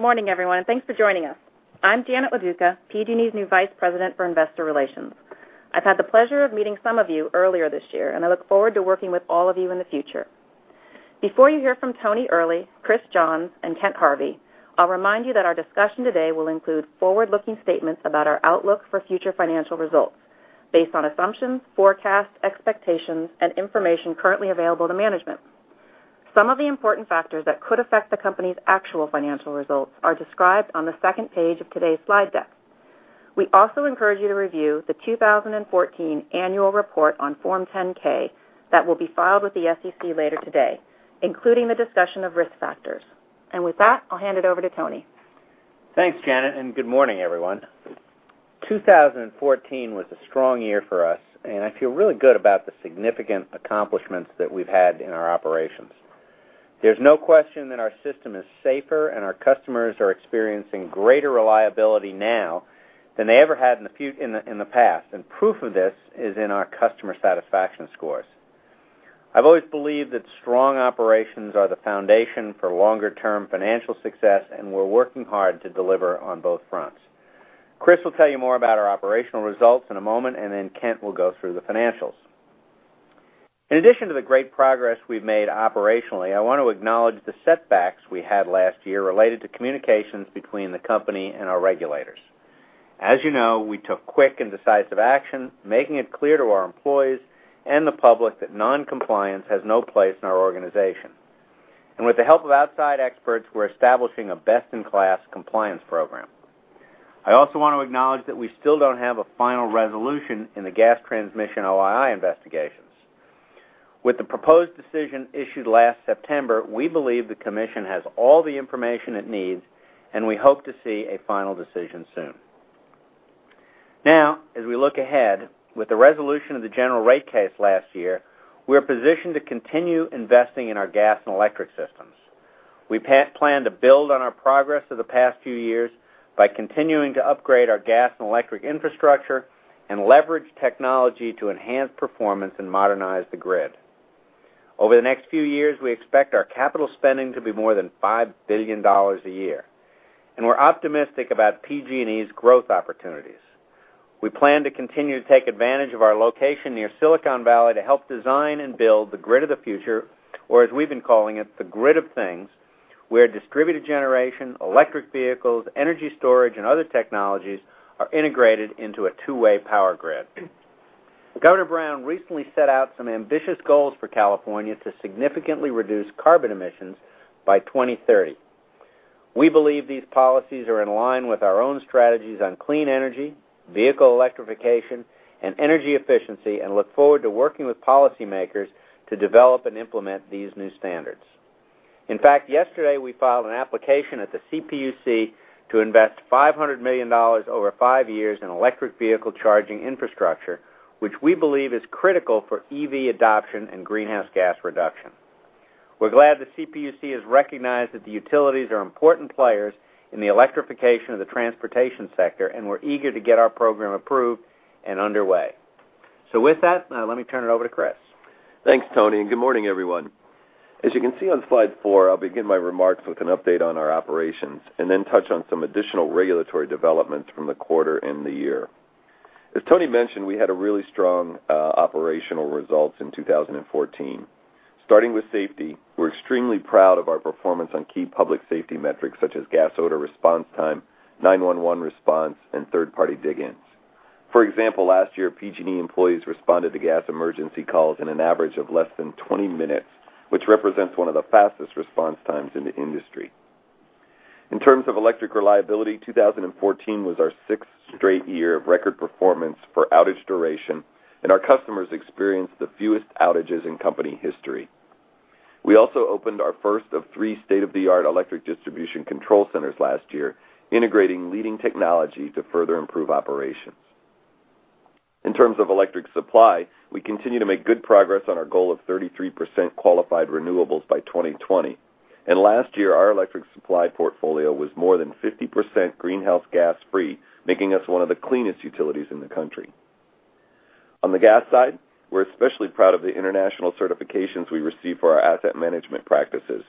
Good morning, everyone, thanks for joining us. I'm Janet Loduca, PG&E's new Vice President for Investor Relations. I've had the pleasure of meeting some of you earlier this year, and I look forward to working with all of you in the future. Before you hear from Tony Earley, Chris Johns, and Kent Harvey, I'll remind you that our discussion today will include forward-looking statements about our outlook for future financial results based on assumptions, forecasts, expectations, and information currently available to management. Some of the important factors that could affect the company's actual financial results are described on the second page of today's slide deck. We also encourage you to review the 2014 annual report on Form 10-K that will be filed with the SEC later today, including the discussion of risk factors. With that, I'll hand it over to Tony. Thanks, Janet, good morning, everyone. 2014 was a strong year for us, and I feel really good about the significant accomplishments that we've had in our operations. There's no question that our system is safer and our customers are experiencing greater reliability now than they ever had in the past. Proof of this is in our customer satisfaction scores. I've always believed that strong operations are the foundation for longer-term financial success, and we're working hard to deliver on both fronts. Chris will tell you more about our operational results in a moment, and then Kent will go through the financials. In addition to the great progress we've made operationally, I want to acknowledge the setbacks we had last year related to communications between the company and our regulators. As you know, we took quick and decisive action, making it clear to our employees and the public that non-compliance has no place in our organization. With the help of outside experts, we're establishing a best-in-class compliance program. I also want to acknowledge that we still don't have a final resolution in the gas transmission OII investigations. With the proposed decision issued last September, we believe the commission has all the information it needs, and we hope to see a final decision soon. As we look ahead, with the resolution of the general rate case last year, we're positioned to continue investing in our gas and electric systems. We plan to build on our progress of the past few years by continuing to upgrade our gas and electric infrastructure and leverage technology to enhance performance and modernize the grid. Over the next few years, we expect our capital spending to be more than $5 billion a year, and we're optimistic about PG&E's growth opportunities. We plan to continue to take advantage of our location near Silicon Valley to help design and build the grid of the future, or as we've been calling it, the grid of things, where distributed generation, electric vehicles, energy storage, and other technologies are integrated into a two-way power grid. Governor Brown recently set out some ambitious goals for California to significantly reduce carbon emissions by 2030. We believe these policies are in line with our own strategies on clean energy, vehicle electrification, and energy efficiency, and look forward to working with policymakers to develop and implement these new standards. In fact, yesterday, we filed an application at the CPUC to invest $500 million over five years in electric vehicle charging infrastructure, which we believe is critical for EV adoption and greenhouse gas reduction. We're glad the CPUC has recognized that the utilities are important players in the electrification of the transportation sector, and we're eager to get our program approved and underway. With that, let me turn it over to Chris. Thanks, Tony, good morning, everyone. As you can see on slide four, I'll begin my remarks with an update on our operations, then touch on some additional regulatory developments from the quarter and the year. As Tony mentioned, we had really strong operational results in 2014. Starting with safety, we're extremely proud of our performance on key public safety metrics such as gas odor response time, 911 response, and third-party dig-ins. For example, last year, PG&E employees responded to gas emergency calls in an average of less than 20 minutes, which represents one of the fastest response times in the industry. In terms of electric reliability, 2014 was our sixth straight year of record performance for outage duration, and our customers experienced the fewest outages in company history. We also opened our first of three state-of-the-art electric distribution control centers last year, integrating leading technology to further improve operations. In terms of electric supply, we continue to make good progress on our goal of 33% qualified renewables by 2020. Last year, our electric supply portfolio was more than 50% greenhouse gas-free, making us one of the cleanest utilities in the country. On the gas side, we're especially proud of the international certifications we received for our asset management practices.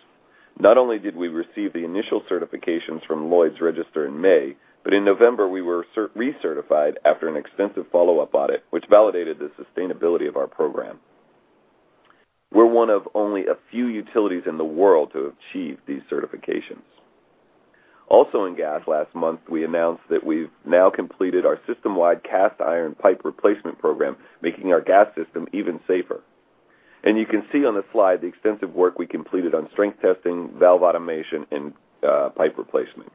Not only did we receive the initial certifications from Lloyd's Register in May, but in November, we were recertified after an extensive follow-up audit, which validated the sustainability of our program. We're one of only a few utilities in the world to achieve these certifications. Also in gas last month, we announced that we've now completed our system-wide cast iron pipe replacement program, making our gas system even safer. You can see on the slide the extensive work we completed on strength testing, valve automation, and pipe replacement.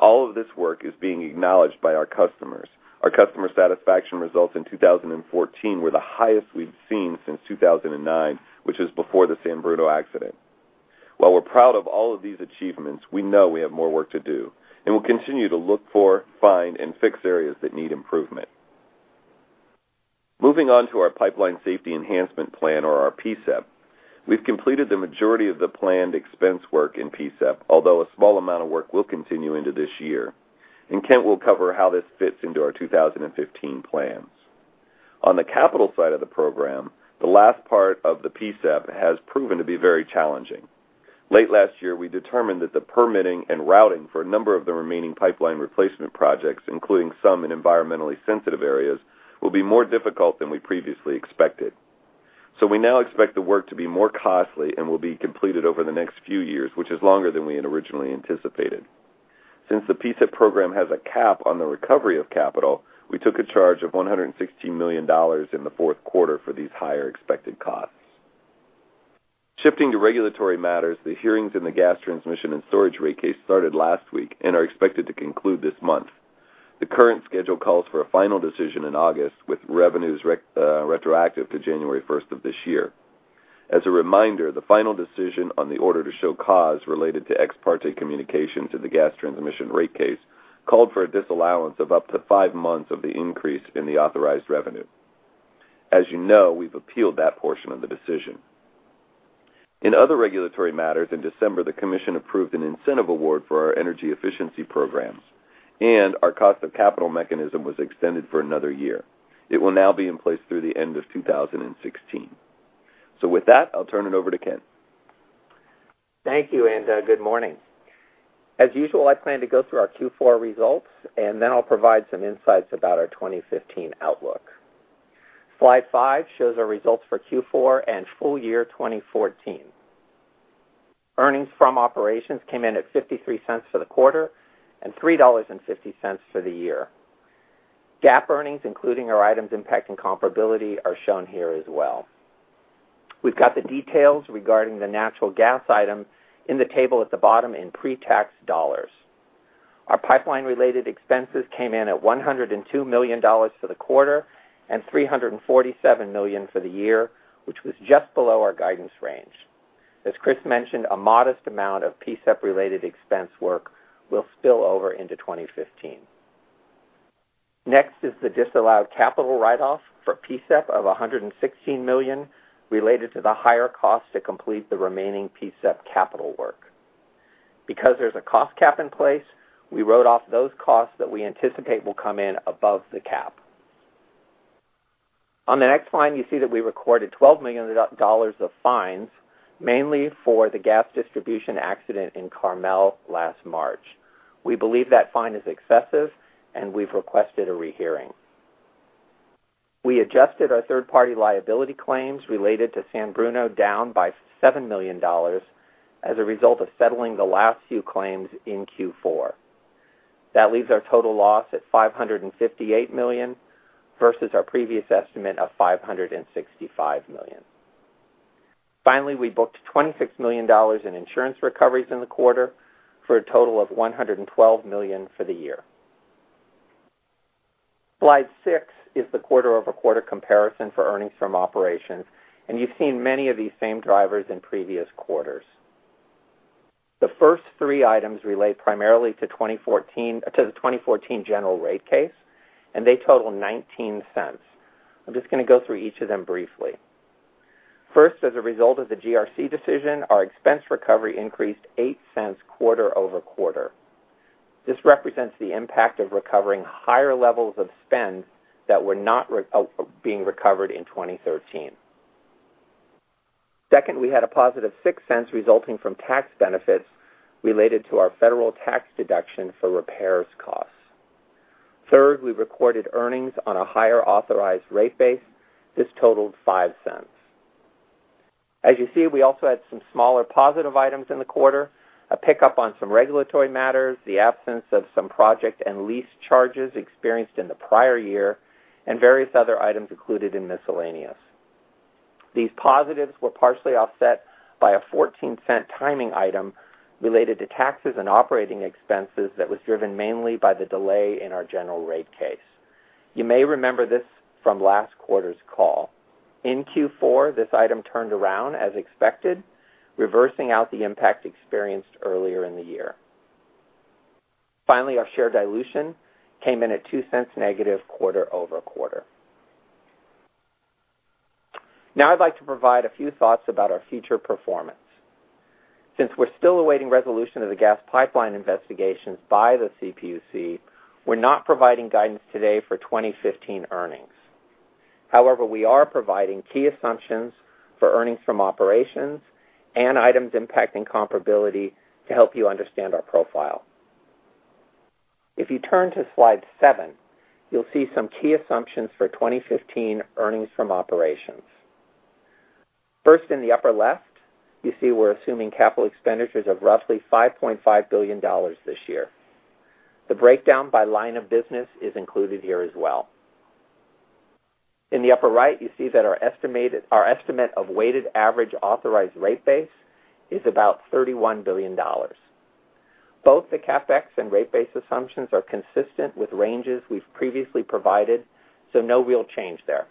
All of this work is being acknowledged by our customers. Our customer satisfaction results in 2014 were the highest we'd seen since 2009, which is before the San Bruno accident. While we're proud of all of these achievements, we know we have more work to do, and we'll continue to look for, find, and fix areas that need improvement. Moving on to our Pipeline Safety Enhancement Plan or our PSEP, we've completed the majority of the planned expense work in PSEP, although a small amount of work will continue into this year, and Kent will cover how this fits into our 2015 plans. On the capital side of the program, the last part of the PSEP has proven to be very challenging. Late last year, we determined that the permitting and routing for a number of the remaining pipeline replacement projects, including some in environmentally sensitive areas, will be more difficult than we previously expected. We now expect the work to be more costly and will be completed over the next few years, which is longer than we had originally anticipated. Since the PSEP program has a cap on the recovery of capital, we took a charge of $116 million in the fourth quarter for these higher expected costs. Shifting to regulatory matters, the hearings in the Gas Transmission and Storage rate case started last week and are expected to conclude this month. The current schedule calls for a final decision in August, with revenues retroactive to January 1st of this year. As a reminder, the final decision on the order to show cause related to ex parte communications in the Gas Transmission rate case called for a disallowance of up to five months of the increase in the authorized revenue. As you know, we've appealed that portion of the decision. In other regulatory matters, in December, the commission approved an incentive award for our energy efficiency programs, and our cost of capital mechanism was extended for another year. It will now be in place through the end of 2016. With that, I'll turn it over to Kent. Thank you, and good morning. As usual, I plan to go through our Q4 results and then I'll provide some insights about our 2015 outlook. Slide five shows our results for Q4 and full year 2014. Earnings from operations came in at $0.53 for the quarter and $3.50 for the year. GAAP earnings, including our items impacting comparability, are shown here as well. We've got the details regarding the natural gas item in the table at the bottom in pre-tax dollars. Our pipeline-related expenses came in at $102 million for the quarter and $347 million for the year, which was just below our guidance range. As Chris mentioned, a modest amount of PSEP-related expense work will spill over into 2015. Next is the disallowed capital write-off for PSEP of $116 million related to the higher cost to complete the remaining PSEP capital work. Because there's a cost cap in place, we wrote off those costs that we anticipate will come in above the cap. On the next slide, you see that we recorded $12 million of fines, mainly for the gas distribution accident in Carmel last March. We believe that fine is excessive, and we've requested a rehearing. We adjusted our third-party liability claims related to San Bruno down by $7 million as a result of settling the last few claims in Q4. That leaves our total loss at $558 million versus our previous estimate of $565 million. Finally, we booked $26 million in insurance recoveries in the quarter for a total of $112 million for the year. Slide six is the quarter-over-quarter comparison for earnings from operations, and you've seen many of these same drivers in previous quarters. The first three items relate primarily to the 2014 general rate case. They total $0.19. I'm just going to go through each of them briefly. First, as a result of the GRC decision, our expense recovery increased $0.08 quarter-over-quarter. This represents the impact of recovering higher levels of spend that were not being recovered in 2013. Second, we had a positive $0.06 resulting from tax benefits related to our federal tax deduction for repairs costs. Third, we recorded earnings on a higher authorized rate base. This totaled $0.05. As you see, we also had some smaller positive items in the quarter, a pickup on some regulatory matters, the absence of some project and lease charges experienced in the prior year, and various other items included in miscellaneous. These positives were partially offset by a $0.14 timing item related to taxes and operating expenses that was driven mainly by the delay in our general rate case. You may remember this from last quarter's call. In Q4, this item turned around as expected, reversing out the impact experienced earlier in the year. Finally, our share dilution came in at $0.02 negative quarter-over-quarter. I'd like to provide a few thoughts about our future performance. Since we're still awaiting resolution of the gas pipeline investigations by the CPUC, we're not providing guidance today for 2015 earnings. However, we are providing key assumptions for earnings from operations and items impacting comparability to help you understand our profile. If you turn to slide seven, you'll see some key assumptions for 2015 earnings from operations. In the upper left, you see we're assuming capital expenditures of roughly $5.5 billion this year. The breakdown by line of business is included here as well. In the upper right, you see that our estimate of weighted average authorized rate base is about $31 billion. Both the CapEx and rate base assumptions are consistent with ranges we've previously provided, so no real change there.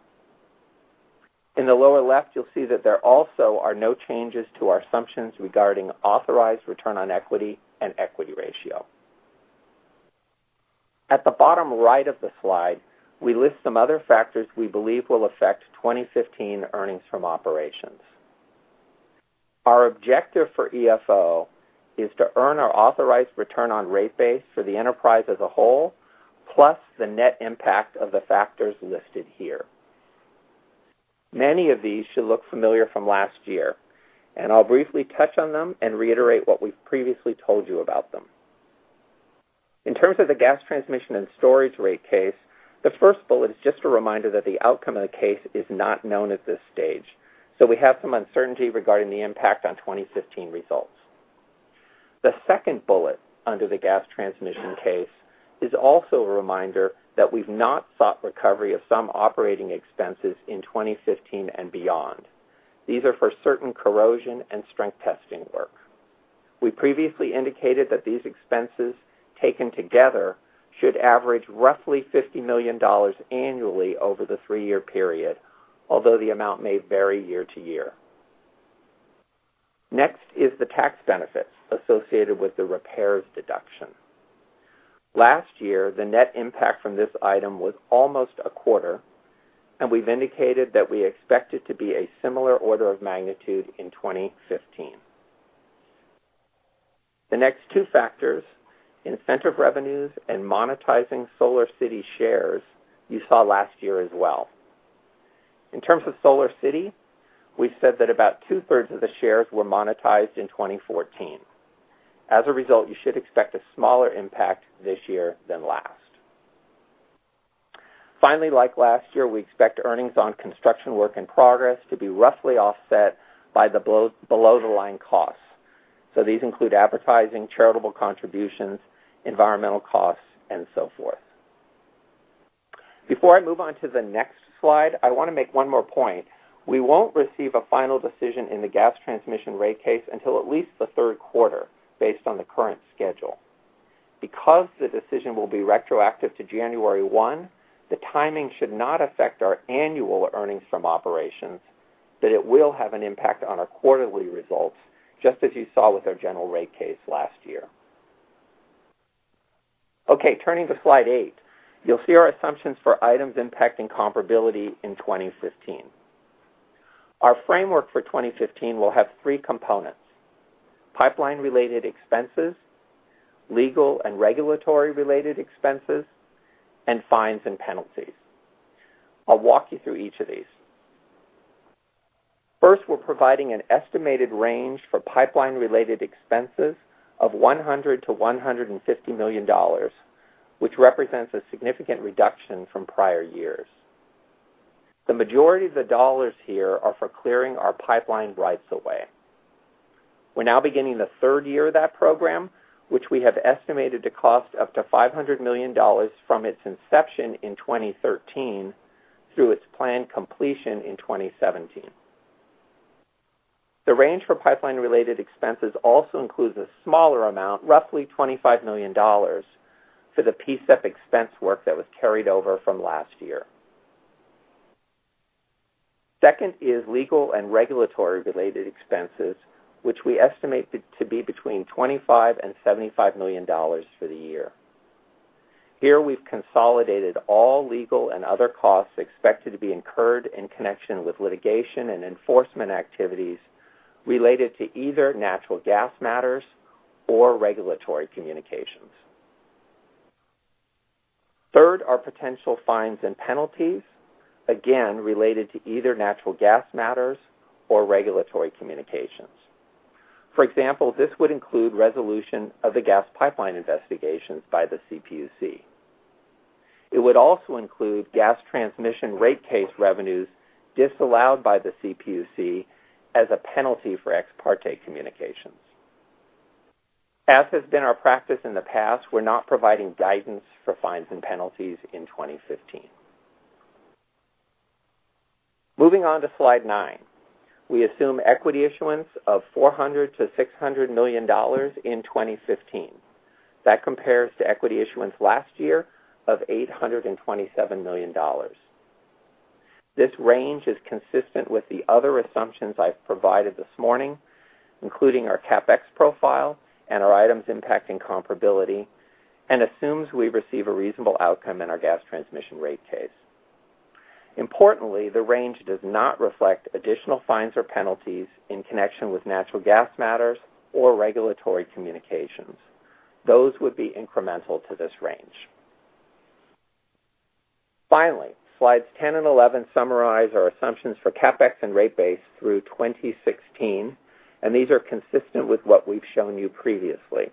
In the lower left, you'll see that there also are no changes to our assumptions regarding authorized return on equity and equity ratio. At the bottom right of the slide, we list some other factors we believe will affect 2015 earnings from operations. Our objective for EFO is to earn our authorized return on rate base for the enterprise as a whole, plus the net impact of the factors listed here. Many of these should look familiar from last year. I'll briefly touch on them and reiterate what we've previously told you about them. In terms of the gas transmission and storage rate case, the first bullet is just a reminder that the outcome of the case is not known at this stage. We have some uncertainty regarding the impact on 2015 results. The second bullet under the gas transmission case is also a reminder that we've not sought recovery of some operating expenses in 2015 and beyond. These are for certain corrosion and strength testing work. We previously indicated that these expenses, taken together, should average roughly $50 million annually over the 3-year period. Although the amount may vary year to year. The tax benefits associated with the repairs deduction. Last year, the net impact from this item was almost a quarter. We've indicated that we expect it to be a similar order of magnitude in 2015. The next two factors, incentive revenues and monetizing SolarCity shares, you saw last year as well. In terms of SolarCity, we said that about two-thirds of the shares were monetized in 2014. As a result, you should expect a smaller impact this year than last. Finally, like last year, we expect earnings on construction work in progress to be roughly offset by the below-the-line costs. These include advertising, charitable contributions, environmental costs, and so forth. Before I move on to the next slide, I want to make one more point. We won't receive a final decision in the gas transmission rate case until at least the third quarter, based on the current schedule. Because the decision will be retroactive to January 1, the timing should not affect our annual earnings from operations, but it will have an impact on our quarterly results, just as you saw with our general rate case last year. Turning to slide eight, you'll see our assumptions for items impacting comparability in 2015. Our framework for 2015 will have three components: pipeline-related expenses, legal and regulatory-related expenses, and fines and penalties. I'll walk you through each of these. First, we're providing an estimated range for pipeline-related expenses of $100 million-$150 million, which represents a significant reduction from prior years. The majority of the dollars here are for clearing our pipeline rights of way. We're now beginning the third year of that program, which we have estimated to cost up to $500 million from its inception in 2013 through its planned completion in 2017. The range for pipeline-related expenses also includes a smaller amount, roughly $25 million, for the PSEF expense work that was carried over from last year. Second is legal and regulatory-related expenses, which we estimate to be between $25 million and $75 million for the year. Here, we've consolidated all legal and other costs expected to be incurred in connection with litigation and enforcement activities related to either natural gas matters or regulatory communications. Third are potential fines and penalties, again, related to either natural gas matters or regulatory communications. For example, this would include resolution of the gas pipeline investigations by the CPUC. It would also include gas transmission rate case revenues disallowed by the CPUC as a penalty for ex parte communications. As has been our practice in the past, we're not providing guidance for fines and penalties in 2015. Moving on to slide nine. We assume equity issuance of $400 million-$600 million in 2015. That compares to equity issuance last year of $827 million. This range is consistent with the other assumptions I've provided this morning, including our CapEx profile and our items impacting comparability, and assumes we receive a reasonable outcome in our gas transmission rate case. Importantly, the range does not reflect additional fines or penalties in connection with natural gas matters or regulatory communications. Those would be incremental to this range. Finally, slides 10 and 11 summarize our assumptions for CapEx and rate base through 2016. These are consistent with what we've shown you previously.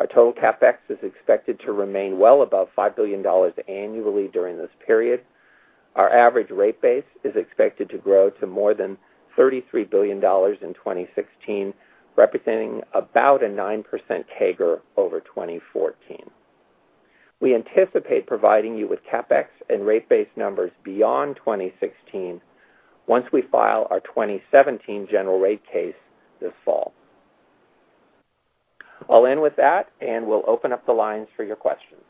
Our total CapEx is expected to remain well above $5 billion annually during this period. Our average rate base is expected to grow to more than $33 billion in 2016, representing about a 9% CAGR over 2014. We anticipate providing you with CapEx and rate base numbers beyond 2016 once we file our 2017 general rate case this fall. I'll end with that, and we'll open up the lines for your questions.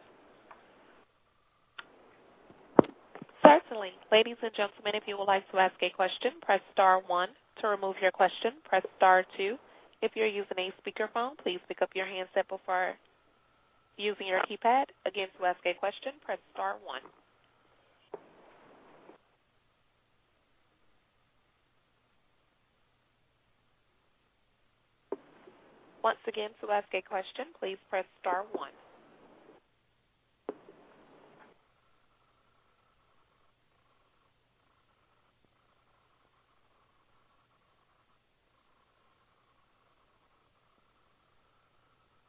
Certainly. Ladies and gentlemen, if you would like to ask a question, press star one. To remove your question, press star two. If you're using a speakerphone, please pick up your handset before using your keypad. Again, to ask a question, press star one. Once again, to ask a question, please press star one.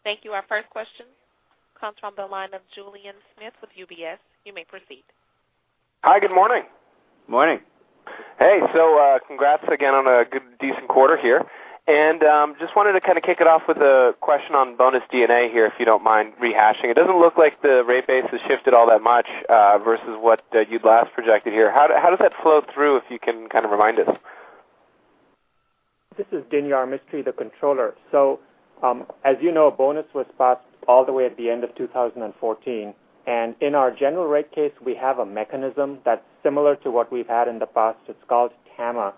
Thank you. Our first question comes from the line of Julien Dumoulin-Smith with UBS. You may proceed. Hi, good morning. Morning. Hey, congrats again on a good, decent quarter here. Just wanted to kind of kick it off with a question on bonus D&A here, if you don't mind rehashing. It doesn't look like the rate base has shifted all that much versus what you'd last projected here. How does that flow through, if you can kind of remind us? This is Dinyar Mistry, the controller. As you know, bonus was passed all the way at the end of 2014, and in our general rate case, we have a mechanism that's similar to what we've had in the past. It's called TAMA,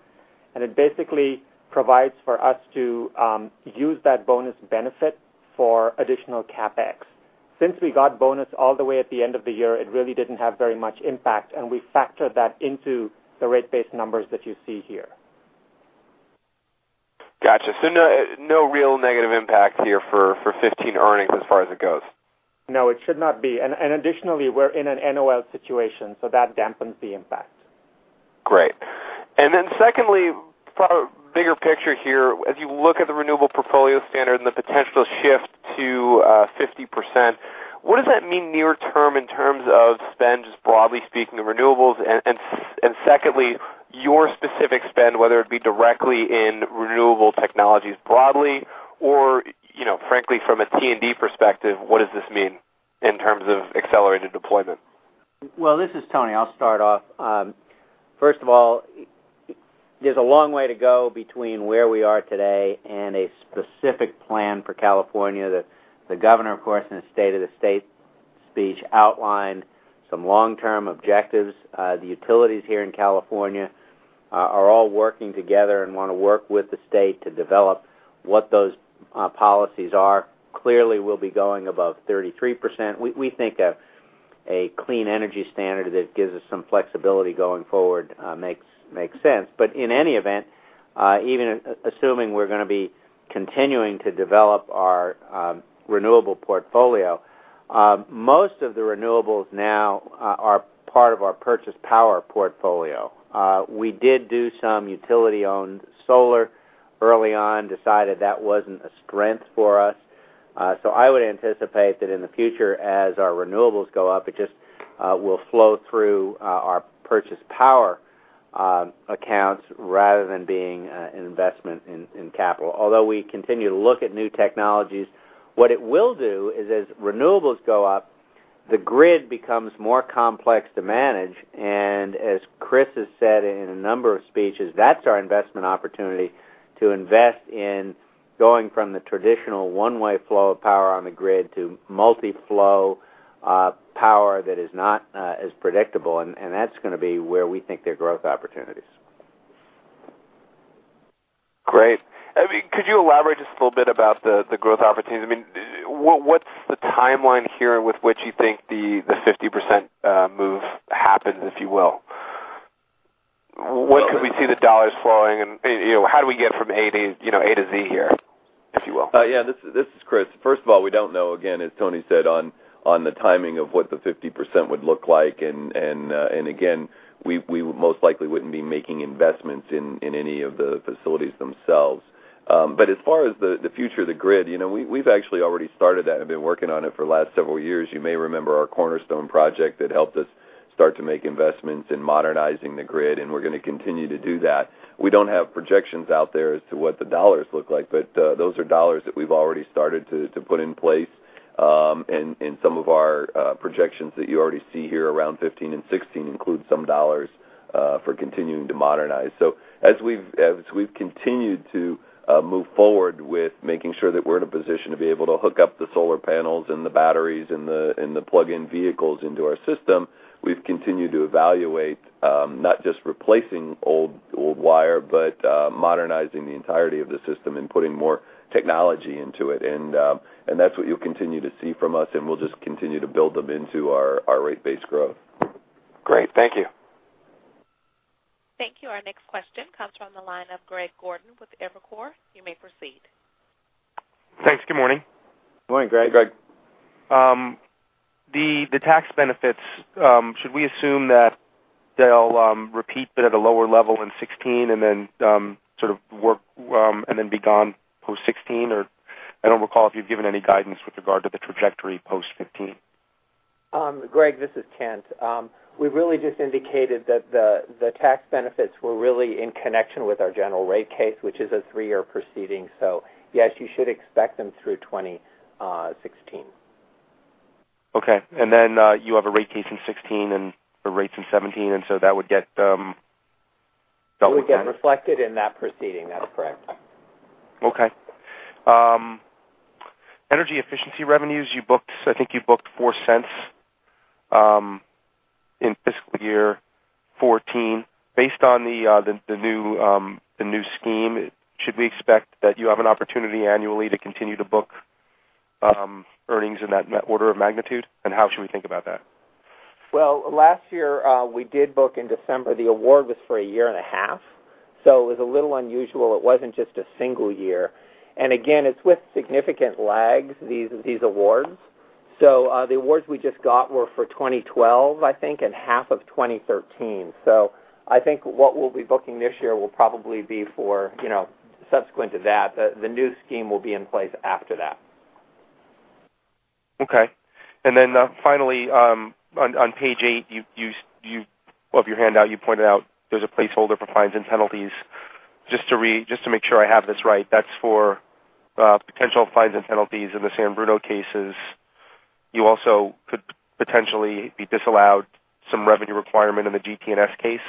and it basically provides for us to use that bonus benefit for additional CapEx. Since we got bonus all the way at the end of the year, it really didn't have very much impact, and we factored that into the rate base numbers that you see here. Got you. No real negative impact here for 2015 earnings as far as it goes? No, it should not be. Additionally, we're in an NOL situation, so that dampens the impact. Great. Secondly, bigger picture here. As you look at the renewable portfolio standard and the potential shift to 50%, what does that mean near term in terms of spend, just broadly speaking, the renewables and secondly, your specific spend, whether it be directly in renewable technologies broadly or frankly from a T&D perspective, what does this mean in terms of accelerated deployment? This is Tony. I'll start off. First of all, there's a long way to go between where we are today and a specific plan for California that the governor, of course, in his state of the state speech outlined some long-term objectives. The utilities here in California are all working together and want to work with the state to develop what those policies are. Clearly, we'll be going above 33%. We think that a clean energy standard that gives us some flexibility going forward makes sense. In any event, even assuming we're going to be continuing to develop our renewable portfolio, most of the renewables now are part of our purchased power portfolio. We did do some utility-owned solar early on, decided that wasn't a strength for us. I would anticipate that in the future, as our renewables go up, it just will flow through our purchased power accounts rather than being an investment in capital, although we continue to look at new technologies. What it will do is as renewables go up, the grid becomes more complex to manage, and as Chris has said in a number of speeches, that's our investment opportunity to invest in going from the traditional one-way flow of power on the grid to multi-flow power that is not as predictable, and that's going to be where we think there are growth opportunities. Great. Could you elaborate just a little bit about the growth opportunities? I mean, what's the timeline here with which you think the 50% move happens, if you will? When could we see the dollars flowing and how do we get from A to Z here, if you will? This is Chris. First of all, we don't know, again, as Tony said, on the timing of what the 50% would look like. Again, we most likely wouldn't be making investments in any of the facilities themselves. As far as the future of the grid, we've actually already started that and been working on it for the last several years. You may remember our Cornerstone Project that helped us start to make investments in modernizing the grid, and we're going to continue to do that. We don't have projections out there as to what the dollars look like, but those are dollars that we've already started to put in place. Some of our projections that you already see here around 2015 and 2016 include some dollars for continuing to modernize. As we've continued to move forward with making sure that we're in a position to be able to hook up the solar panels and the batteries and the plug-in vehicles into our system, we've continued to evaluate not just replacing old wire, but modernizing the entirety of the system and putting more technology into it. That's what you'll continue to see from us, and we'll just continue to build them into our rate base growth. Great. Thank you. Thank you. Our next question comes from the line of Greg Gordon with Evercore. You may proceed. Thanks. Good morning. Morning, Greg. Greg. The tax benefits, should we assume that they'll repeat but at a lower level in 2016 and then sort of work, and then be gone post 2016? I don't recall if you've given any guidance with regard to the trajectory post 2015. Greg, this is Kent. We've really just indicated that the tax benefits were really in connection with our General Rate Case, which is a three-year proceeding. Yes, you should expect them through 2016. Okay. You have a rate case in 2016 and the rates in 2017, that would get. It would get reflected in that proceeding. That's correct. Okay. Energy efficiency revenues, I think you booked $0.04 in FY 2014. Based on the new scheme, should we expect that you have an opportunity annually to continue to book earnings in that net order of magnitude? How should we think about that? Well, last year, we did book in December, the award was for a year and a half, it was a little unusual. It wasn't just a single year. Again, it's with significant lags, these awards. The awards we just got were for 2012, I think, and half of 2013. I think what we'll be booking this year will probably be for subsequent to that. The new scheme will be in place after that. Okay. Finally, on page eight of your handout, you pointed out there's a placeholder for fines and penalties. Just to make sure I have this right, that's for potential fines and penalties in the San Bruno cases. You also could potentially be disallowed some revenue requirement in the GT&S case.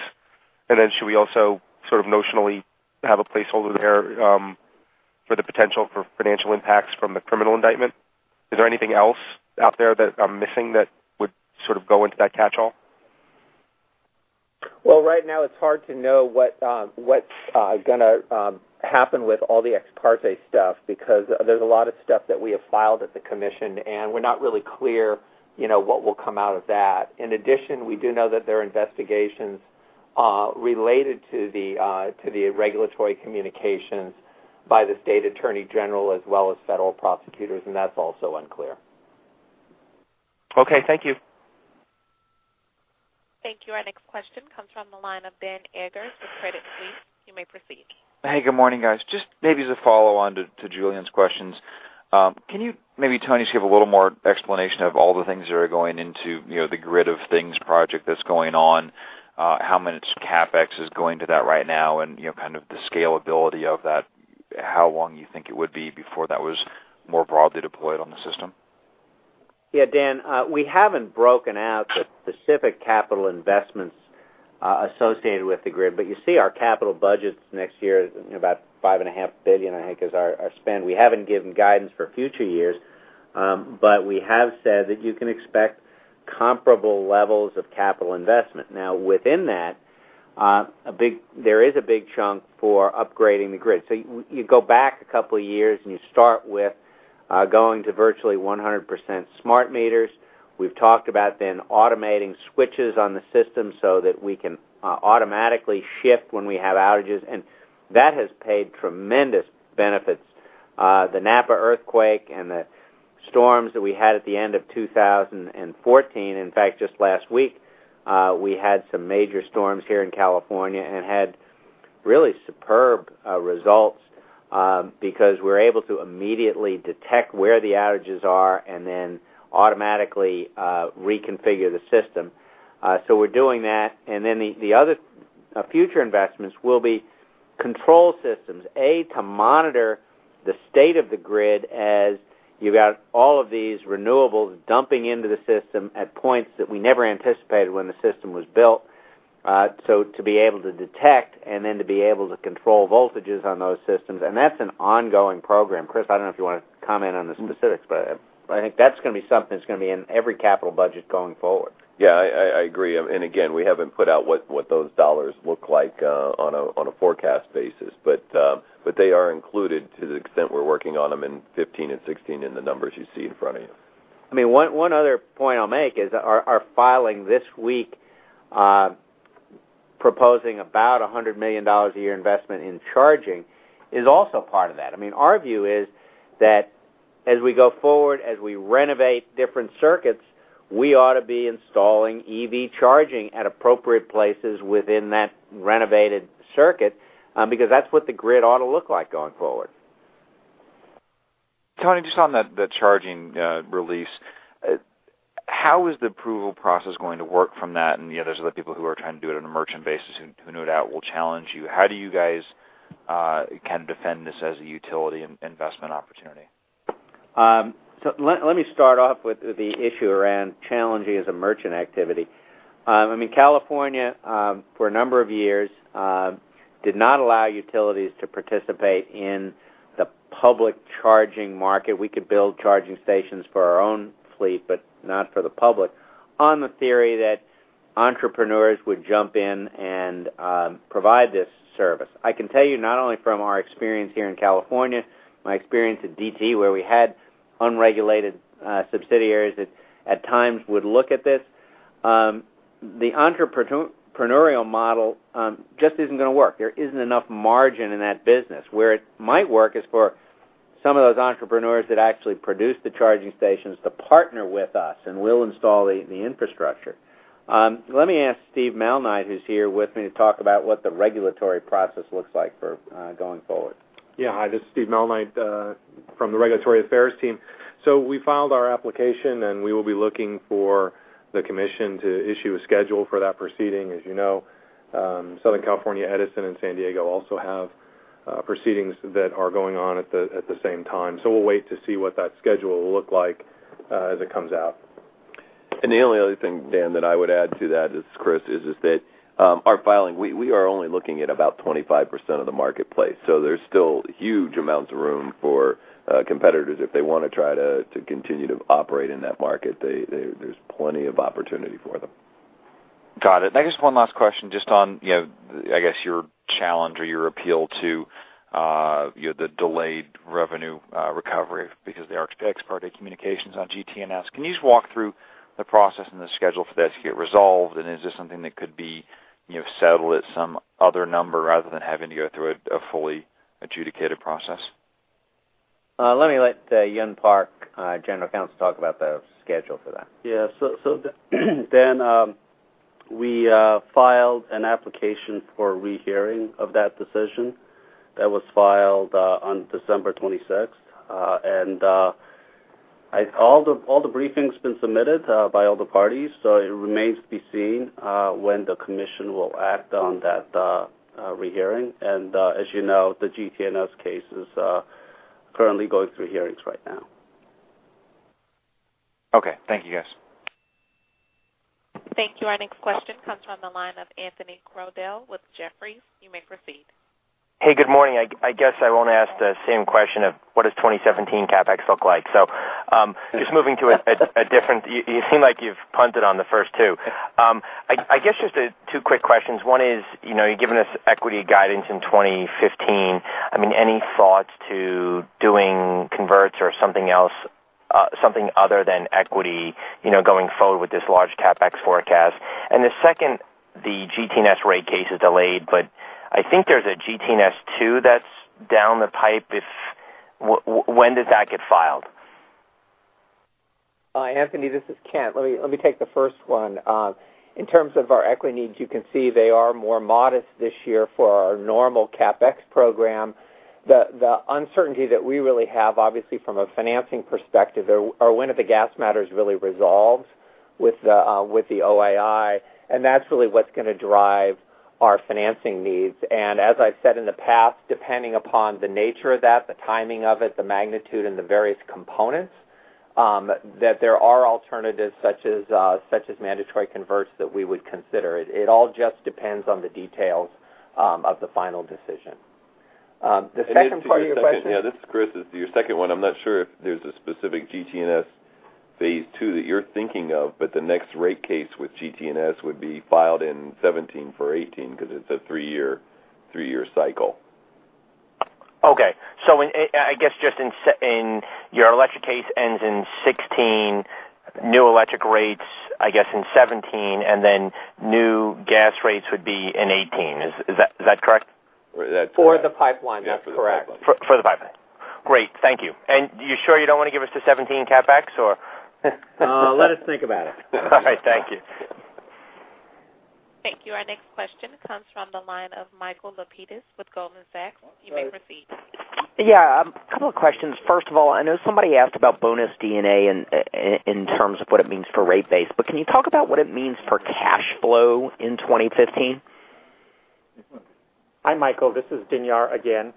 Should we also notionally have a placeholder there for the potential for financial impacts from the criminal indictment? Is there anything else out there that I'm missing that would go into that catchall? Well, right now it's hard to know what's going to happen with all the ex parte stuff because there's a lot of stuff that we have filed at the commission, and we're not really clear what will come out of that. In addition, we do know that there are investigations related to the regulatory communications by the state attorney general as well as federal prosecutors, and that's also unclear. Okay, thank you. Thank you. Our next question comes from the line of Dan Eggers with Credit Suisse. You may proceed. Hey, good morning, guys. Just maybe as a follow-on to Julien's questions. Can you maybe, Tony, just give a little more explanation of all the things that are going into the grid of things project that's going on? How much CapEx is going to that right now and kind of the scalability of that? How long you think it would be before that was more broadly deployed on the system? Dan, we haven't broken out the specific capital investments associated with the grid. You see our capital budgets next year, about $5.5 billion, I think, is our spend. We haven't given guidance for future years, but we have said that you can expect comparable levels of capital investment. Now, within that, there is a big chunk for upgrading the grid. You go back a couple of years, and you start with going to virtually 100% smart meters. We've talked about then automating switches on the system so that we can automatically shift when we have outages, and that has paid tremendous benefits. The Napa earthquake and the storms that we had at the end of 2014, in fact, just last week, we had some major storms here in California and had really superb results because we're able to immediately detect where the outages are and then automatically reconfigure the system. We're doing that, and then the other future investments will be control systems to monitor the state of the grid as you got all of these renewables dumping into the system at points that we never anticipated when the system was built. To be able to detect and then to be able to control voltages on those systems, and that's an ongoing program. Chris, I don't know if you want to comment on the specifics, but I think that's going to be something that's going to be in every capital budget going forward. I agree. Again, we haven't put out what those dollars look like on a forecast basis. They are included to the extent we're working on them in 2015 and 2016 in the numbers you see in front of you. One other point I'll make is our filing this week proposing about $100 million a year investment in charging is also part of that. Our view is that as we go forward, as we renovate different circuits, we ought to be installing EV charging at appropriate places within that renovated circuit because that's what the grid ought to look like going forward. Tony, just on the charging release, how is the approval process going to work from that? There's other people who are trying to do it on a merchant basis who, no doubt, will challenge you. How do you guys defend this as a utility investment opportunity? Let me start off with the issue around challenging as a merchant activity. California, for a number of years, did not allow utilities to participate in the public charging market. We could build charging stations for our own fleet, but not for the public, on the theory that entrepreneurs would jump in and provide this service. I can tell you not only from our experience here in California, my experience at DTE, where we had unregulated subsidiaries that at times would look at this, the entrepreneurial model just isn't going to work. There isn't enough margin in that business. Where it might work is for some of those entrepreneurs that actually produce the charging stations to partner with us, and we'll install the infrastructure. Let me ask Steve Malnight, who's here with me to talk about what the regulatory process looks like for going forward. Yeah. Hi, this is Steve Malnight from the regulatory affairs team. We filed our application, and we will be looking for the commission to issue a schedule for that proceeding. As you know, Southern California Edison and San Diego also have proceedings that are going on at the same time. We'll wait to see what that schedule will look like as it comes out. The only other thing, Dan, that I would add to that, this is Chris, is that our filing, we are only looking at about 25% of the marketplace. There's still huge amounts of room for competitors if they want to try to continue to operate in that market. There's plenty of opportunity for them. Got it. Just one last question on your challenge or your appeal to the delayed revenue recovery because of the ex parte communications on GT&S. Can you just walk through the process and the schedule for that to get resolved? Is this something that could be settled at some other number rather than having to go through a fully adjudicated process? Let me let Hyun Park, General Counsel, talk about the schedule for that. Yeah. Dan, we filed an application for rehearing of that decision. That was filed on December 26th. All the briefing's been submitted by all the parties. It remains to be seen when the commission will act on that rehearing. As you know, the GT&S case is currently going through hearings right now. Okay. Thank you, guys. Thank you. Our next question comes from the line of Anthony Crowdell with Jefferies. You may proceed. Hey, good morning. I guess I won't ask the same question of what does 2017 CapEx look like. Just moving to a different. You seem like you've punted on the first two. I guess just two quick questions. One is, you've given us equity guidance in 2015. Any thoughts to doing converts or something else, something other than equity going forward with this large CapEx forecast? The second, the GT&S rate case is delayed, but I think there's a GT&S two that's down the pipe. When does that get filed? Hi, Anthony. This is Kent. Let me take the first one. In terms of our equity needs, you can see they are more modest this year for our normal CapEx program. The uncertainty that we really have, obviously, from a financing perspective, are when are the gas matters really resolved with the OII, and that's really what's going to drive our financing needs. As I've said in the past, depending upon the nature of that, the timing of it, the magnitude, and the various components, that there are alternatives such as mandatory converts that we would consider. It all just depends on the details of the final decision. The second part of your question. This is Chris. Your second one, I'm not sure if there's a specific GT&S phase two that you're thinking of, but the next rate case with GT&S would be filed in 2017 for 2018 because it's a three-year cycle. Okay. I guess your electric case ends in 2016, new electric rates, I guess, in 2017, and then new gas rates would be in 2018. Is that correct? For the pipeline, that's correct. Yeah, for the pipeline. For the pipeline. Great. Thank you. You sure you don't want to give us the 2017 CapEx or? Let us think about it. All right. Thank you. Thank you. Our next question comes from the line of Michael Lapides with Goldman Sachs. You may proceed. Yeah. A couple of questions. First of all, I know somebody asked about bonus D&A in terms of what it means for rate base, but can you talk about what it means for cash flow in 2015? Hi, Michael. This is Dinyar again.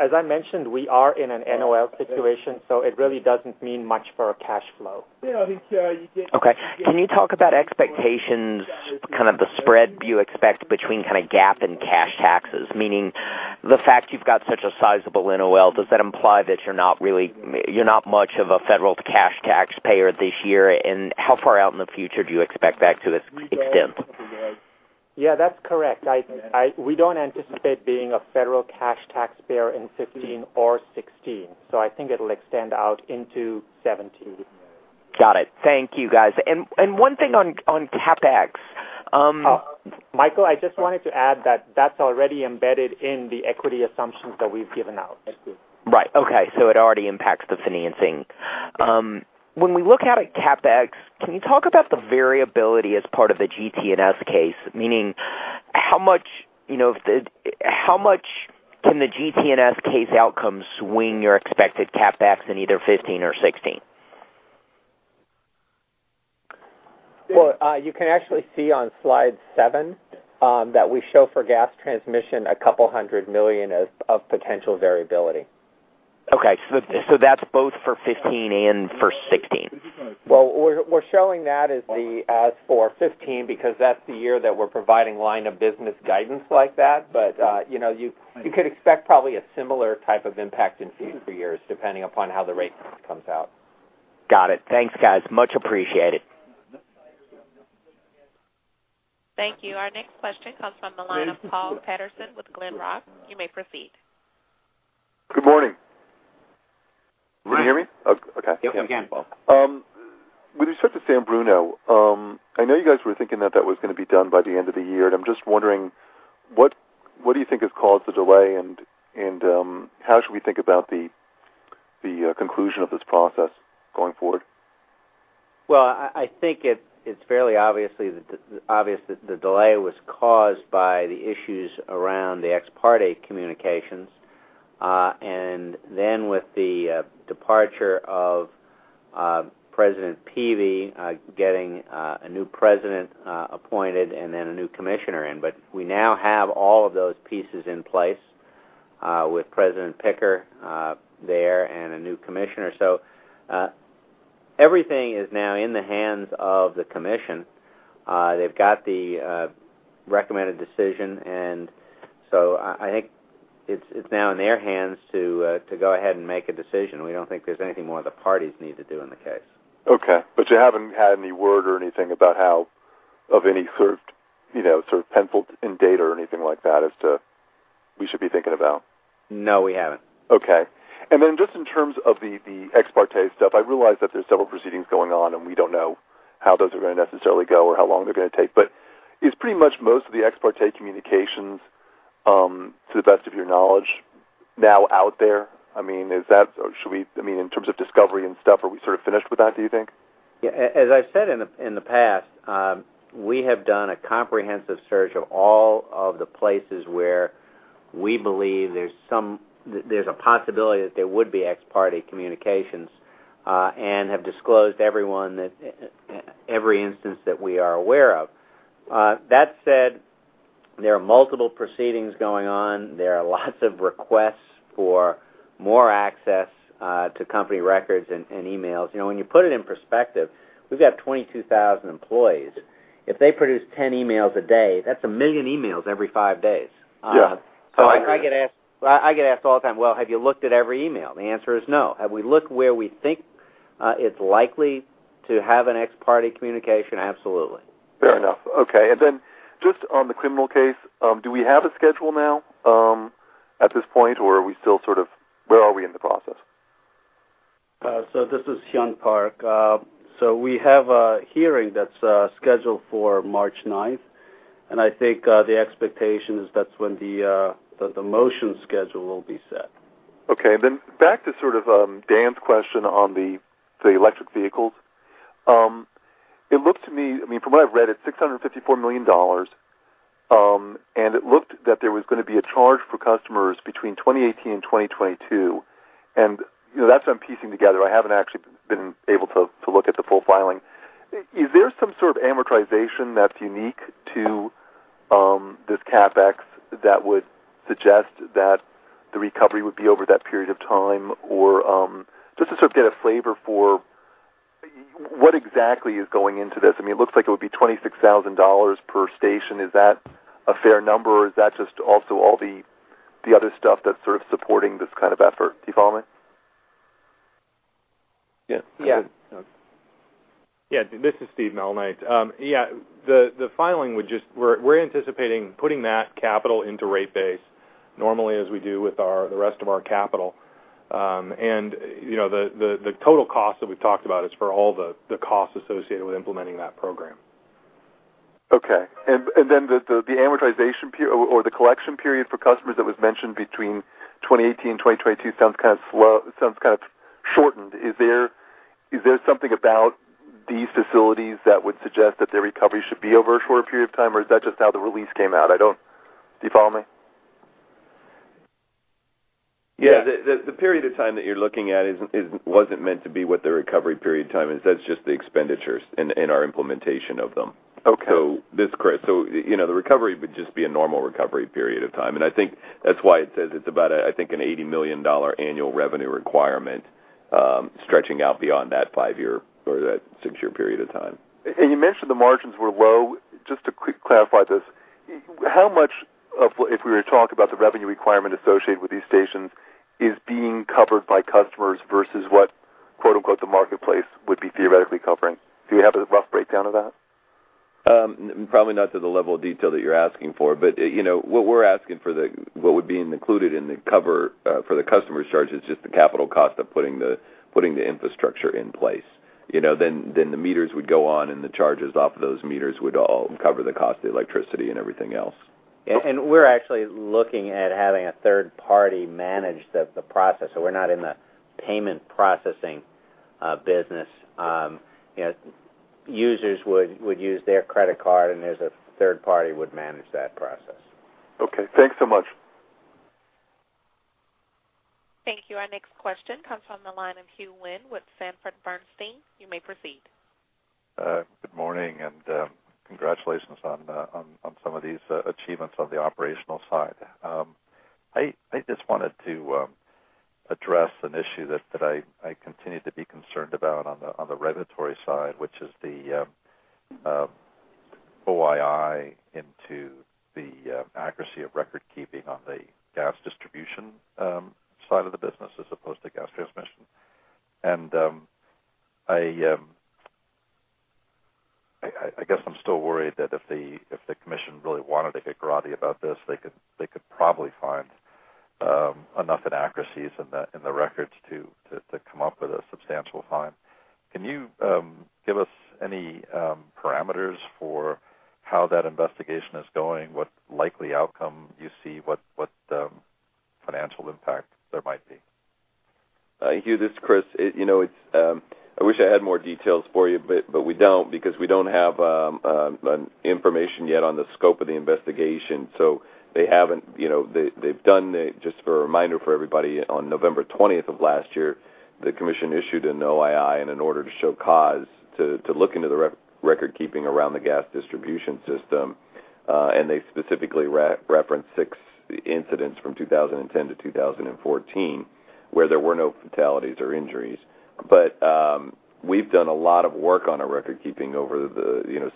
As I mentioned, we are in an NOL situation, it really doesn't mean much for our cash flow. Okay. Can you talk about expectations, kind of the spread you expect between kind of GAAP and cash taxes? Meaning the fact you've got such a sizable NOL, does that imply that you're not much of a federal to cash taxpayer this year? How far out in the future do you expect that to extend? Yeah, that's correct. We don't anticipate being a federal cash taxpayer in 2015 or 2016. I think it'll extend out into 2017. Got it. Thank you, guys. One thing on CapEx. Michael, I just wanted to add that that's already embedded in the equity assumptions that we've given out. Right. Okay. It already impacts the financing. When we look out at CapEx, can you talk about the variability as part of the GT&S case? Meaning, how much can the GT&S case outcome swing your expected CapEx in either 2015 or 2016? Well, you can actually see on slide seven that we show for gas transmission a couple hundred million of potential variability. Okay. That's both for 2015 and for 2016. We're showing that as for 2015 because that's the year that we're providing line of business guidance like that. You could expect probably a similar type of impact in future years, depending upon how the rate comes out. Got it. Thanks, guys. Much appreciated. Thank you. Our next question comes from the line of Paul Patterson with Glenrock. You may proceed. Good morning. Can you hear me? Okay. Yes, we can, Paul. With respect to San Bruno, I know you guys were thinking that that was going to be done by the end of the year. I'm just wondering, what do you think has caused the delay, and how should we think about the conclusion of this process going forward? Well, I think it's fairly obvious that the delay was caused by the issues around the ex parte communications. With the departure of Michael Peevey, getting a new president appointed and then a new commissioner in. We now have all of those pieces in place with Michael Picker there and a new commissioner. Everything is now in the hands of the commission. They've got the Recommended decision. I think it's now in their hands to go ahead and make a decision. We don't think there's anything more the parties need to do in the case. Okay. You haven't had any word or anything about any sort of penciled-in date or anything like that as to we should be thinking about? No, we haven't. Okay. Then just in terms of the ex parte stuff, I realize that there's several proceedings going on, and we don't know how those are going to necessarily go or how long they're going to take. Is pretty much most of the ex parte communications, to the best of your knowledge, now out there? In terms of discovery and stuff, are we sort of finished with that, do you think? Yeah. As I've said in the past, we have done a comprehensive search of all of the places where we believe there's a possibility that there would be ex parte communications, and have disclosed every instance that we are aware of. That said, there are multiple proceedings going on. There are lots of requests for more access to company records and emails. When you put it in perspective, we've got 22,000 employees. If they produce 10 emails a day, that's 1 million emails every five days. Yeah. I get asked all the time, "Well, have you looked at every email?" The answer is no. Have we looked where we think it's likely to have an ex parte communication? Absolutely. Fair enough. Okay. Just on the criminal case, do we have a schedule now at this point, or where are we in the process? This is Hyun Park. We have a hearing that's scheduled for March 9th, and I think the expectation is that's when the motion schedule will be set. Okay. Back to sort of Dan's question on the electric vehicles. It looks to me, from what I've read, it's $654 million, and it looked that there was going to be a charge for customers between 2018 and 2022. That's what I'm piecing together. I haven't actually been able to look at the full filing. Is there some sort of amortization that's unique to this CapEx that would suggest that the recovery would be over that period of time? Or just to sort of get a flavor for what exactly is going into this. It looks like it would be $26,000 per station. Is that a fair number, or is that just also all the other stuff that's sort of supporting this kind of effort? Do you follow me? Yeah. Okay. This is Steve Malnight. The filing we're anticipating putting that capital into rate base normally as we do with the rest of our capital. The total cost that we've talked about is for all the cost associated with implementing that program. Okay. The amortization period or the collection period for customers that was mentioned between 2018, 2022 sounds kind of shortened. Is there something about these facilities that would suggest that the recovery should be over a shorter period of time, or is that just how the release came out? Do you follow me? The period of time that you're looking at wasn't meant to be what the recovery period time is. That's just the expenditures and our implementation of them. Okay. This is Chris. The recovery would just be a normal recovery period of time. I think that's why it says it's about, I think, an $80 million annual revenue requirement, stretching out beyond that five-year or that six-year period of time. You mentioned the margins were low. Just to clarify this, how much of, if we were to talk about the revenue requirement associated with these stations, is being covered by customers versus what, quote-unquote, "the marketplace would be theoretically covering?" Do you have a rough breakdown of that? Probably not to the level of detail that you're asking for. What we're asking for what would be included in the cover for the customer charge is just the capital cost of putting the infrastructure in place. The meters would go on, and the charges off of those meters would all cover the cost of the electricity and everything else. We're actually looking at having a third party manage the process. We're not in the payment processing business. Users would use their credit card, and there's a third party would manage that process. Okay. Thanks so much. Thank you. Our next question comes from the line of Hugh Wynne with Sanford Bernstein. You may proceed. Good morning, and congratulations on some of these achievements on the operational side. I just wanted to address an issue that I continue to be concerned about on the regulatory side, which is the OII into the accuracy of record keeping on the gas distribution side of the business as opposed to gas transmission. I guess I'm still worried that if the commission really wanted to get draconian about this, they could probably find enough inaccuracies in the records to come up with a substantial fine. Can you give us any parameters for how that investigation is going? What likely outcome you see? What financial impact there might be? Hugh, this is Chris. I wish I had more details for you, but we don't because we don't have information yet on the scope of the investigation. Just for a reminder for everybody, on November 20th of last year The commission issued an OII and an order to show cause to look into the record keeping around the gas distribution system. They specifically referenced six incidents from 2010-2014 where there were no fatalities or injuries. We've done a lot of work on our record keeping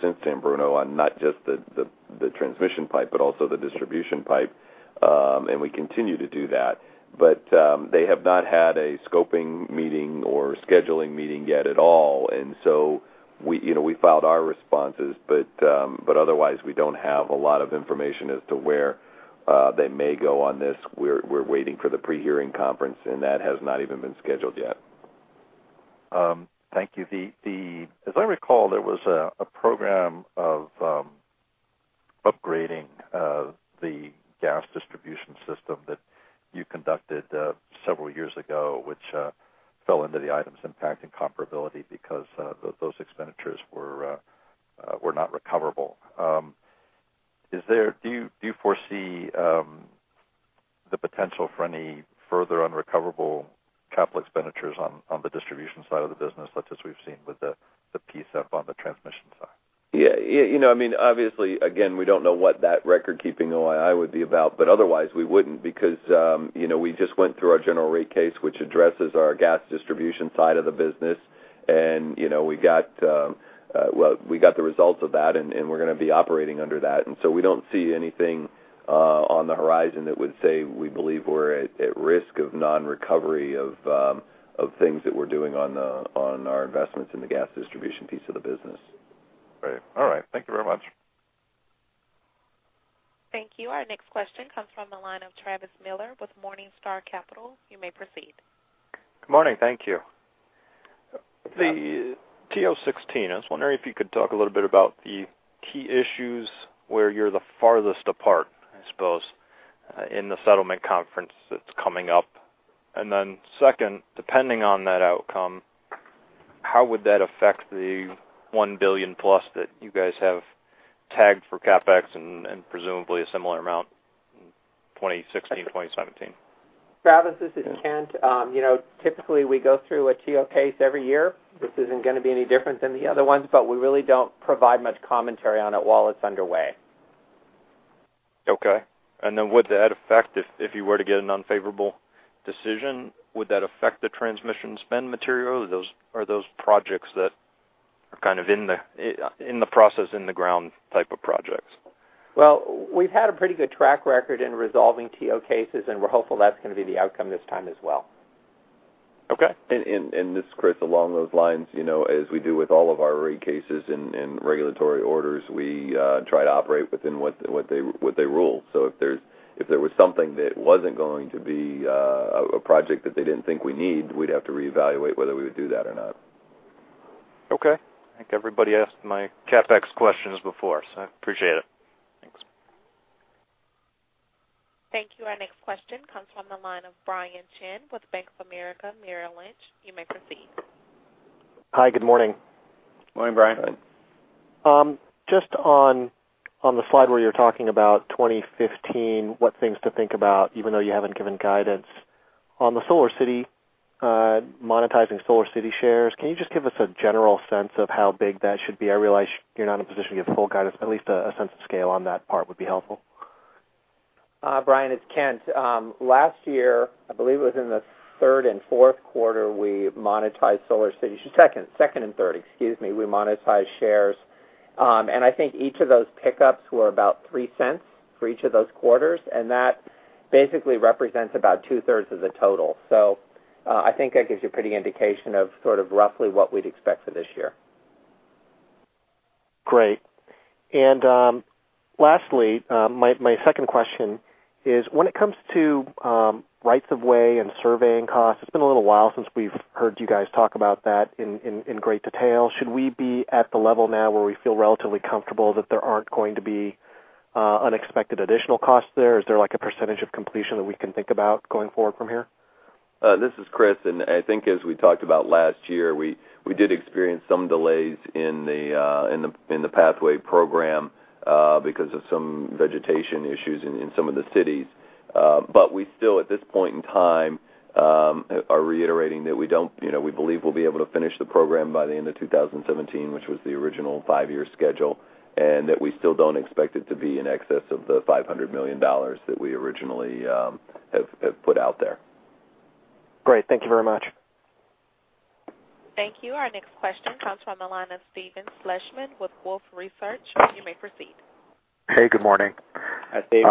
since San Bruno on not just the transmission pipe, but also the distribution pipe. We continue to do that. They have not had a scoping meeting or scheduling meeting yet at all. We filed our responses, but otherwise, we don't have a lot of information as to where they may go on this. We're waiting for the pre-hearing conference, and that has not even been scheduled yet. Thank you. As I recall, there was a program of upgrading the gas distribution system that you conducted several years ago, which fell into the items impacting comparability because those expenditures were not recoverable. Do you foresee the potential for any further unrecoverable capital expenditures on the distribution side of the business, such as we've seen with the PSEP on the transmission side? Yeah. Obviously, again, we don't know what that record keeping OII would be about, but otherwise we wouldn't because we just went through our general rate case, which addresses our gas distribution side of the business. We got the results of that, and we're going to be operating under that. We don't see anything on the horizon that would say we believe we're at risk of non-recovery of things that we're doing on our investments in the gas distribution piece of the business. Great. All right. Thank you very much. Thank you. Our next question comes from the line of Travis Miller with Morningstar Capital. You may proceed. Good morning. Thank you. The TO16, I was wondering if you could talk a little bit about the key issues where you're the farthest apart, I suppose, in the settlement conference that's coming up. Second, depending on that outcome, how would that affect the $1 billion plus that you guys have tagged for CapEx and presumably a similar amount in 2016 to 2017? Travis, this is Kent. Typically, we go through a TO case every year. This isn't going to be any different than the other ones, but we really don't provide much commentary on it while it's underway. Okay. Would that affect if you were to get an unfavorable decision, would that affect the transmission spend material? Are those projects that are kind of in the process, in the ground type of projects? Well, we've had a pretty good track record in resolving TO cases, and we're hopeful that's going to be the outcome this time as well. Okay. This is Chris. Along those lines, as we do with all of our rate cases and regulatory orders, we try to operate within what they rule. If there was something that wasn't going to be a project that they didn't think we need, we'd have to reevaluate whether we would do that or not. Okay. I think everybody asked my CapEx questions before, so I appreciate it. Thanks. Thank you. Our next question comes from the line of Brian Chin with Bank of America, Merrill Lynch. You may proceed. Hi. Good morning. Morning, Brian. Hi. Just on the slide where you're talking about 2015, what things to think about, even though you haven't given guidance. On the SolarCity, monetizing SolarCity shares, can you just give us a general sense of how big that should be? I realize you're not in a position to give full guidance, but at least a sense of scale on that part would be helpful. Brian, it's Kent. Last year, I believe it was in the third and fourth quarter, we monetized SolarCity. Second and third, excuse me. We monetized shares. I think each of those pickups were about $0.03 for each of those quarters, and that basically represents about two-thirds of the total. I think that gives you a pretty indication of sort of roughly what we'd expect for this year. Great. Lastly, my second question is when it comes to rights of way and surveying costs, it's been a little while since we've heard you guys talk about that in great detail. Should we be at the level now where we feel relatively comfortable that there aren't going to be unexpected additional costs there? Is there a percentage of completion that we can think about going forward from here? This is Chris. I think as we talked about last year, we did experience some delays in the PowerPathway program because of some vegetation issues in some of the cities. We still, at this point in time, are reiterating that we believe we'll be able to finish the program by the end of 2017, which was the original five-year schedule, and that we still don't expect it to be in excess of the $500 million that we originally have put out there. Great. Thank you very much. Thank you. Our next question comes from the line of Steve Fleishman with Wolfe Research. You may proceed. Hey, good morning. Hi, Steve.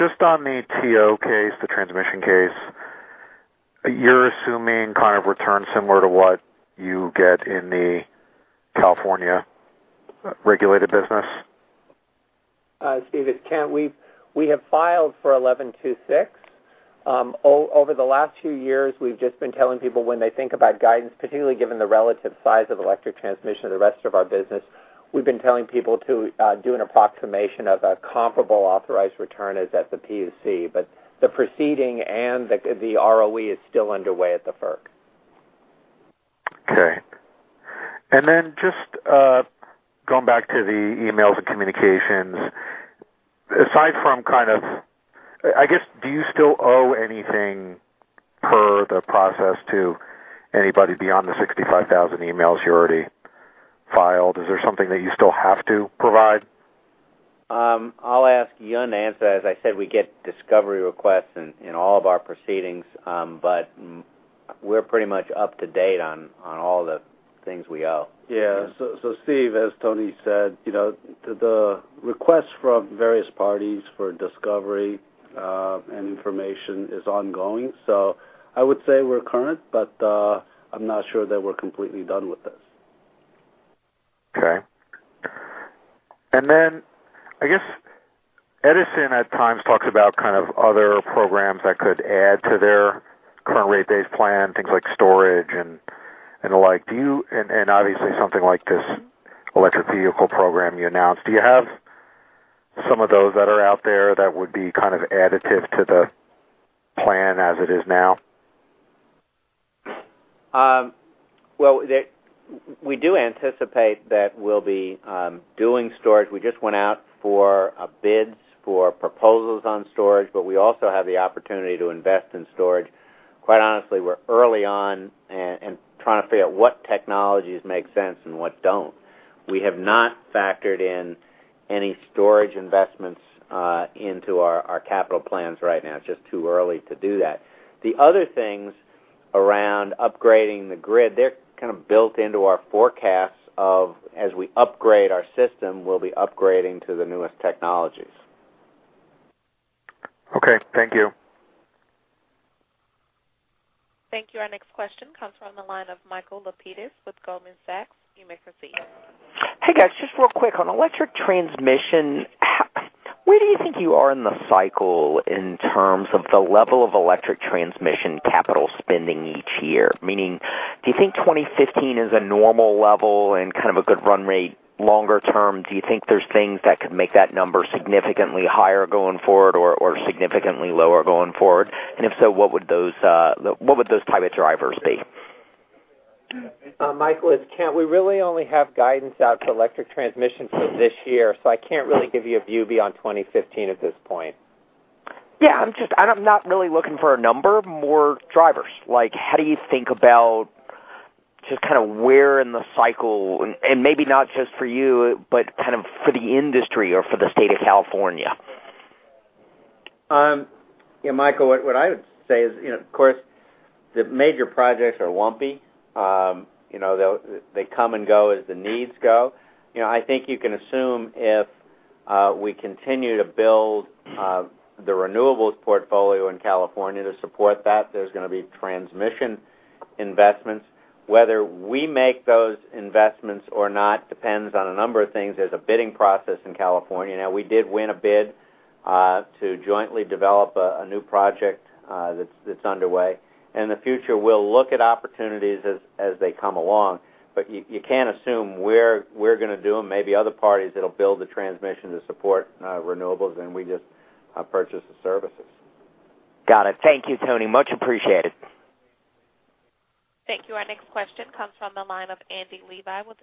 Just on the TO case, the transmission case, you are assuming kind of return similar to what you get in the California regulated business? Steven, it is Kent. We have filed for 1126. Over the last 2 years, we have just been telling people when they think about guidance, particularly given the relative size of electric transmission to the rest of our business, we have been telling people to do an approximation of a comparable authorized return as at the PUC. The proceeding and the ROE is still underway at the FERC. Just going back to the emails and communications, aside from kind of, I guess, do you still owe anything per the process to anybody beyond the 65,000 emails you already filed? Is there something that you still have to provide? I'll ask Hyun to answer. As I said, we get discovery requests in all of our proceedings, but we're pretty much up to date on all the things we owe. Yeah. Steve, as Tony said, the requests from various parties for discovery, and information is ongoing. I would say we're current, but I'm not sure that we're completely done with this. Okay. I guess Edison at times talks about kind of other programs that could add to their current rate base plan, things like storage and the like. Obviously, something like this electric vehicle program you announced. Do you have some of those that are out there that would be kind of additive to the plan as it is now? Well, we do anticipate that we'll be doing storage. We just went out for bids for proposals on storage, we also have the opportunity to invest in storage. Quite honestly, we're early on and trying to figure out what technologies make sense and what don't. We have not factored in any storage investments into our capital plans right now. It's just too early to do that. The other things around upgrading the grid, they're kind of built into our forecasts of as we upgrade our system, we'll be upgrading to the newest technologies. Okay. Thank you. Thank you. Our next question comes from the line of Michael Lapides with Goldman Sachs. You may proceed. Hey, guys, just real quick on electric transmission, where do you think you are in the cycle in terms of the level of electric transmission capital spending each year? Meaning, do you think 2015 is a normal level and kind of a good run rate longer term? Do you think there's things that could make that number significantly higher going forward or significantly lower going forward? If so, what would those primary drivers be? Michael, it's Kent. We really only have guidance out to electric transmission for this year, so I can't really give you a view beyond 2015 at this point. Yeah, I'm not really looking for a number, more drivers. Like, how do you think about just kind of where in the cycle, and maybe not just for you, but kind of for the industry or for the state of California? Yeah, Michael, what I would say is, of course, the major projects are lumpy. They come and go as the needs go. I think you can assume if we continue to build the renewables portfolio in California to support that, there's going to be transmission investments. Whether we make those investments or not depends on a number of things. There's a bidding process in California. We did win a bid to jointly develop a new project that's underway. In the future, we'll look at opportunities as they come along. You can assume we're going to do them, maybe other parties that'll build the transmission to support renewables, and we just purchase the services. Got it. Thank you, Tony. Much appreciated. Thank you. Our next question comes from the line of Andy Levi with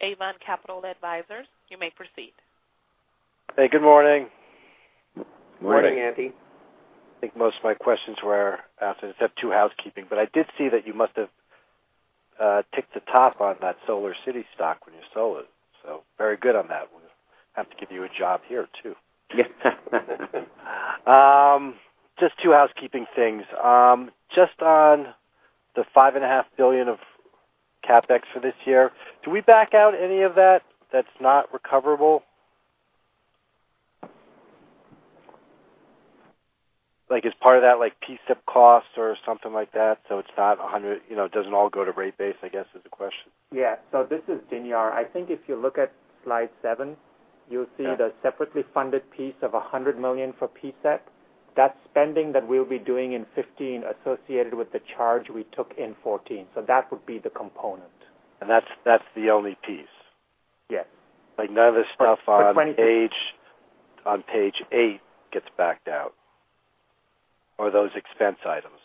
Avon Capital Advisors. You may proceed. Hey, good morning. Morning, Andy. I think most of my questions were answered, except two housekeeping. I did see that you must have ticked the top on that SolarCity stock when you sold it. Very good on that one. Have to give you a job here, too. Yeah. Just two housekeeping things. Just on the $ five and a half billion of CapEx for this year, do we back out any of that that's not recoverable? Like is part of that like PSEP cost or something like that? It's not 100%, it doesn't all go to rate base, I guess, is the question. Yeah. This is Dinyar. I think if you look at slide seven, you'll see the separately funded piece of $100 million for PSEP. That's spending that we'll be doing in 2015 associated with the charge we took in 2014. That would be the component. That's the only piece? Yes. Like none of the stuff- For 2020- On page eight gets backed out? Or are those expense items?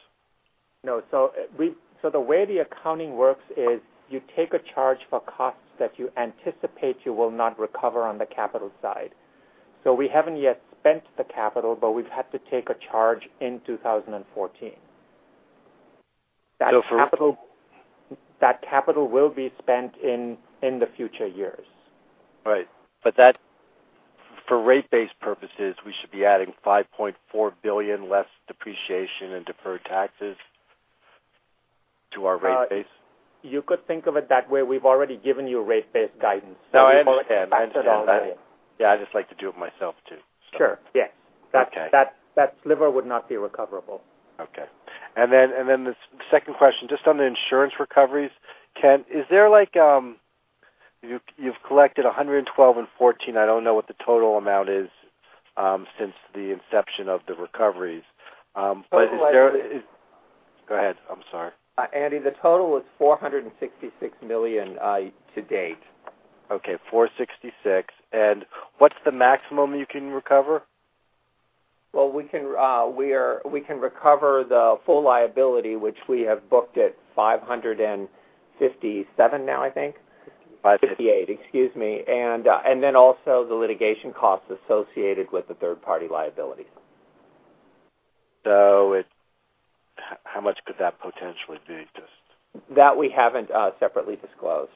No. The way the accounting works is you take a charge for costs that you anticipate you will not recover on the capital side. We haven't yet spent the capital, but we've had to take a charge in 2014. For- That capital will be spent in the future years. Right. For rate base purposes, we should be adding $5.4 billion less depreciation and deferred taxes to our rate base? You could think of it that way. We've already given you a rate base guidance. No, I understand. We've already factored that in. Yeah, I just like to do it myself, too. Sure, yes. Okay. That sliver would not be recoverable. Okay. Then the second question, just on the insurance recoveries, Kent, you've collected $112 in 2014. I don't know what the total amount is since the inception of the recoveries. Is there- Total is- Go ahead, I'm sorry. Andy, the total is $466 million to date. Okay, $466. What's the maximum you can recover? Well, we can recover the full liability, which we have booked at $557 now, I think. $558, excuse me. Also the litigation costs associated with the third-party liability. How much could that potentially be? That we haven't separately disclosed.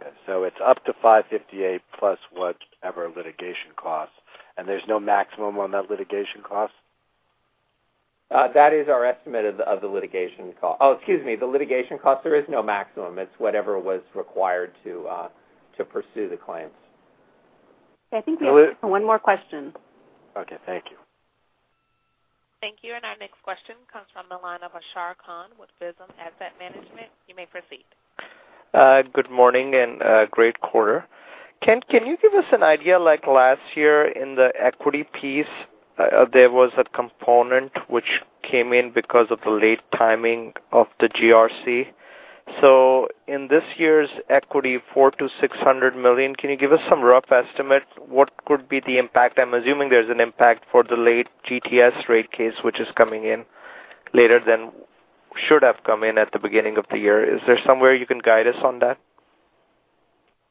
Okay. It's up to 558 plus whatever litigation costs, and there's no maximum on that litigation cost? That is our estimate of the litigation cost. Oh, excuse me, the litigation cost, there is no maximum. It's whatever was required to pursue the claims. I think we have time for one more question. Okay. Thank you. Thank you. Our next question comes from the line of Ashar Khan with Visium Asset Management. You may proceed. Good morning and great quarter. Kent, can you give us an idea, like last year in the equity piece, there was a component which came in because of the late timing of the GRC. In this year's equity, $400 million-$600 million, can you give us some rough estimate? What could be the impact? I'm assuming there's an impact for the late GT&S rate case, which is coming in later than should have come in at the beginning of the year. Is there somewhere you can guide us on that?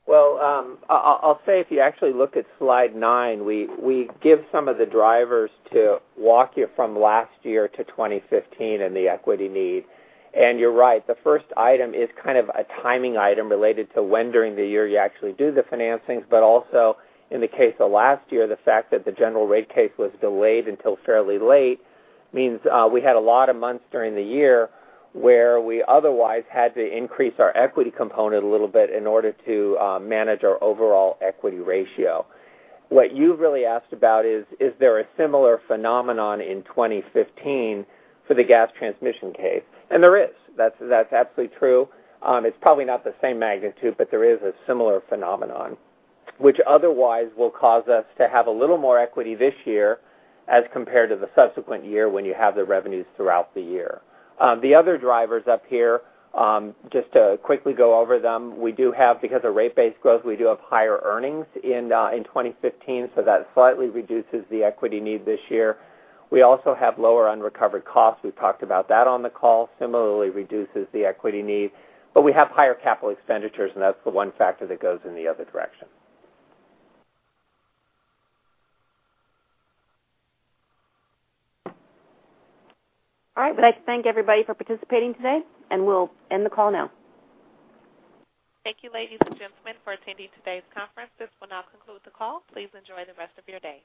If you actually look at slide nine, we give some of the drivers to walk you from last year to 2015 and the equity need. You're right, the first item is kind of a timing item related to when during the year you actually do the financings. Also, in the case of last year, the fact that the general rate case was delayed until fairly late means we had a lot of months during the year where we otherwise had to increase our equity component a little bit in order to manage our overall equity ratio. What you've really asked about is there a similar phenomenon in 2015 for the gas transmission case? There is. That's absolutely true. It's probably not the same magnitude, there is a similar phenomenon which otherwise will cause us to have a little more equity this year as compared to the subsequent year when you have the revenues throughout the year. The other drivers up here, just to quickly go over them, we do have, because of rate base growth, we do have higher earnings in 2015, that slightly reduces the equity need this year. We also have lower unrecovered costs. We talked about that on the call. Similarly reduces the equity need. We have higher capital expenditures, that's the one factor that goes in the other direction. All right. We'd like to thank everybody for participating today, and we'll end the call now. Thank you, ladies and gentlemen, for attending today's conference. This will now conclude the call. Please enjoy the rest of your day.